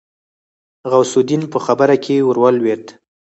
غوث الدين په خبره کې ورولوېد.